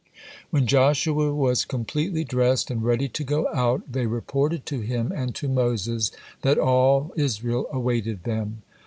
When Joshua was completely dressed and ready to go out, they reported to him and to Moses that all Israel awaited them.